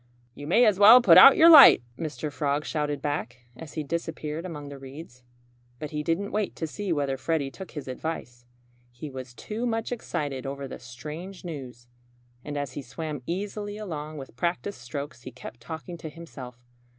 "You may as well put out your light!" Mr. Frog shouted back, as he disappeared among the reeds. But he didn't wait to see whether Freddie took his advice. He was too much excited over the strange news. And as he swam easily along with practiced strokes he kept talking to himself.